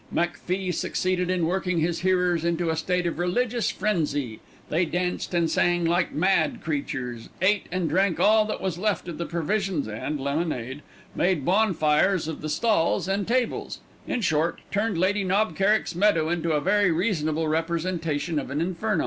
McFie succeeded in working his hearers into a state of religious frenzy. They danced and sang like mad creatures, ate and drank all that was left of the provisions and lemonade, made bonfires of the stalls and tables; in short, turned Lady Knob Kerrick's meadow into a very reasonable representation of an inferno.